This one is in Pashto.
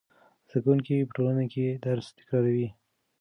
زده کوونکي په ټولګي کې درس تکراروي.